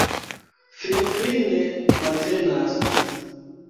Finfine matenas.